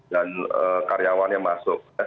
dan karyawannya masuk